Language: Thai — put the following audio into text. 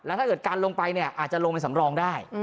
ถ้าเกิดกันลงไปเนี่ยอาจจะลงไปสำรองได้